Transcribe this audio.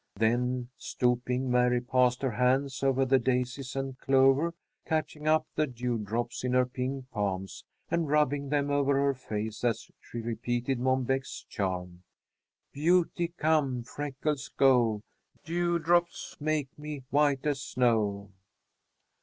Then stooping, Mary passed her hands over the daisies and clover, catching up the dewdrops in her pink palms, and rubbing them over her face as she repeated Mom Beck's charm: "Beauty come, freckles go! Dewdops, make me white as snow!"